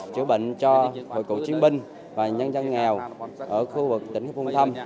chữa bệnh cho quân cụ chiến binh và nhân dân nghèo ở khu vực tp hcm